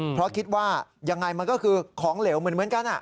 เพราะคิดว่ายังไงมันก็คือของเหลวเหมือนกัน